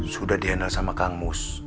sudah diandalkan kang mus